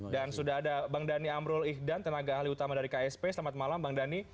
dan sudah ada bang dhani amrul ihdan tenaga ahli utama dari ksp selamat malam bang dhani